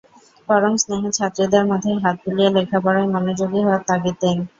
পরম স্নেহে ছাত্রীদের মাথায় হাত বুলিয়ে লেখাপড়ায় মনোযোগী হওয়ার তাগিদ দেন।